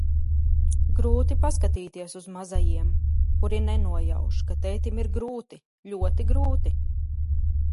Grūti paskatīties uz mazajiem, kuri nenojauš, ka tētim ir grūti, ļoti grūti.